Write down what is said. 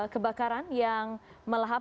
kebakaran yang melahap